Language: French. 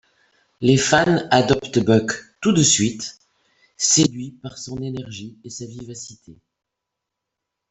Les fans adoptent Buck tout de suite, séduits par son énergie et sa vivacité.